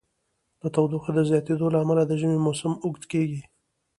د تودوخې د زیاتیدو له امله د ژمی موسم اوږد کیږي.